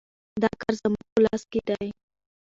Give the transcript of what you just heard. دا کار زموږ په لاس کې دی.